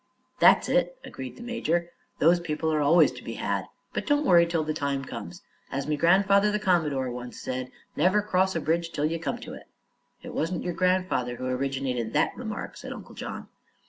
"That's it," agreed the major, "Those people are always to be had. But don't worry till the time comes. As me grandfather, the commodore, once said: 'Never cross a bridge till ye come to it.'" "It wasn't your grandfather who originated that remark," said Uncle John.